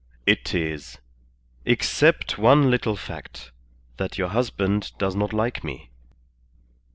"It is. Except one little fact, that your husband does not like me.